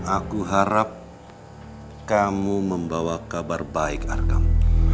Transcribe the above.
aku harap kamu membawa kabar baik arkamu